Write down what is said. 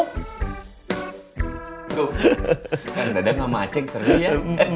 tuh kan dadang sama aceh sering ya